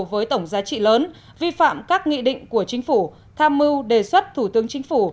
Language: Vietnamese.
với tổng giá trị lớn vi phạm các nghị định của chính phủ tham mưu đề xuất thủ tướng chính phủ